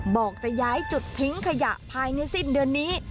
บอกจะย้ายจุดทิ้งขยะภายในสิ้นเดือนนี้